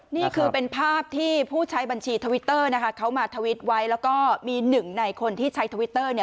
นี่คือเป็นภาพที่ผู้ใช้บัญชีทวิตเตอร์นะคะเขามาทวิตไว้แล้วก็มีหนึ่งในคนที่ใช้ทวิตเตอร์เนี่ย